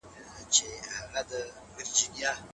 دا یو مثبت ټولنیز خوځښت دی.